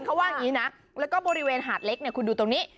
เขาว่าอย่างนี้นะแล้วก็บริเวณหาดเล็กเนี่ยคุณดูตรงนี้